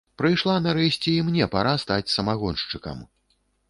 Прыйшла, нарэшце, і мне пара стаць самагоншчыкам!